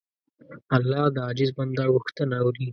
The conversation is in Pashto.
الله د عاجز بنده غوښتنه اوري.